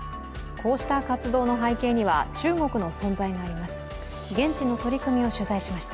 こうした活動の背景には中国の存在があります。